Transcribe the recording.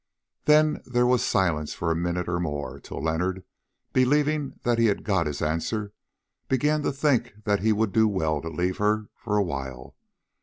Then there was silence for a minute or more, till Leonard, believing that he had got his answer, began to think that he would do well to leave her for a while.